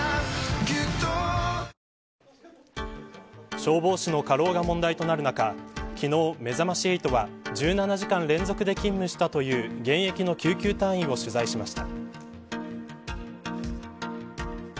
消防士の過労が問題となる中昨日、めざまし８は１７時間連続で勤務したという現役の救急隊員を取材しました。